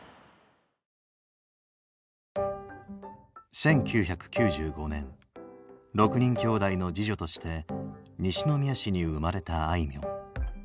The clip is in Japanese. １９９５年６人きょうだいの次女として西宮市に生まれたあいみょん。